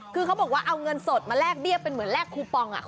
คือเขาบอกว่าเอาเงินสดมาแลกเบี้ยเป็นเหมือนแลกคูปอง